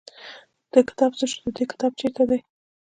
د ده کتاب څه شو د دې کتاب چېرته دی.